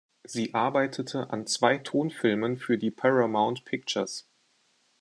Sie arbeitete an zwei Tonfilmen für die Paramount Pictures.